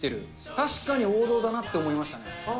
確かに王道だなって思いましたね。